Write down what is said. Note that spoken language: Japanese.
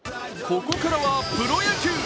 ここからはプロ野球。